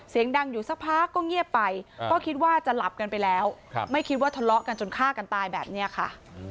เสียงดังอยู่สักพักก็เงียบไปก็คิดว่าจะหลับกันไปแล้วไม่คิดว่าทะเลาะกันจนฆ่ากันตายแบบนี้ค่ะ